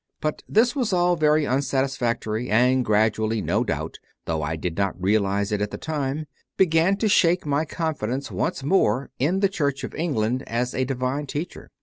But this was all very unsatisfactory, and gradually, no doubt, though I did not realize it at the time, began to shake my confidence once more in the Church of England as a Divine Teacher.